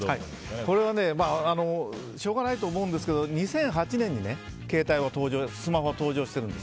これはしょうがないと思いますが２００８年にスマホが登場してるんです。